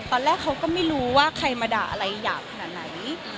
ตอนแรกเขาก็ไม่รู้ว่าใครมาด่าอะไรหยาบขนาดไหน